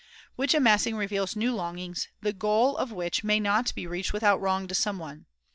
Which amassing reveals new longings, the goal of which may not be reached without wrong to someone.